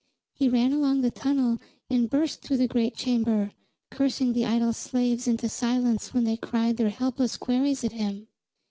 He ran along the tunnel and burst through the great chamber, cursing the idle slaves into silence when they cried their helpless queries at him.